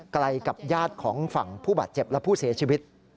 ไกลกับญาติของฝั่งผู้บาดเจ็บและผู้เสียชีวิต